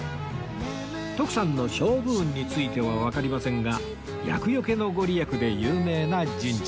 徳さんの勝負運についてはわかりませんが厄よけのご利益で有名な神社です